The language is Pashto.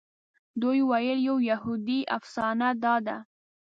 دوی ویل یوه یهودي افسانه داده.